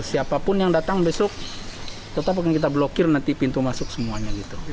siapapun yang datang besok tetap akan kita blokir nanti pintu masuk semuanya gitu